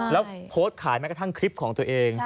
แล้วโพสต์ขายแม้กระทั่งคลิปของตัวเอง